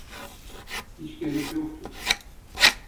Hiç gerek yoktu.